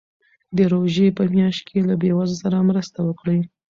د روژې په میاشت کې له بېوزلو سره مرسته وکړئ.